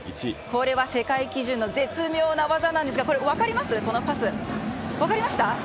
これは世界基準の絶妙な技なんですが、このパス分かりました？